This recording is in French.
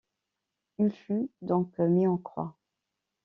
Il fut donc mis en croix.